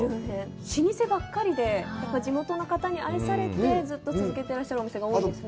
老舗ばかりで、地元の方に愛されてずっと続けてらっしゃるお店が多いですね。